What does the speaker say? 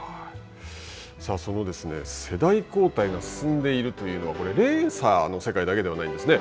その世代交代が進んでいるというのはレーサーの世界だけではないんですね。